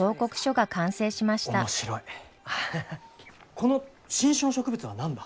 この新種の植物は何だ？